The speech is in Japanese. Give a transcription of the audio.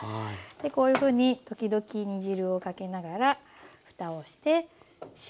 こういうふうに時々煮汁をかけながらふたをして４５分蒸し煮します。